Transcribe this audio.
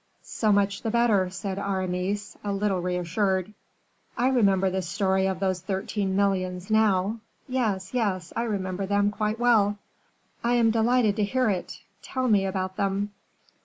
"So much the better," said Aramis, a little reassured. "I remember the story of those thirteen millions now. Yes, yes, I remember them quite well." "I am delighted to hear it; tell me about them."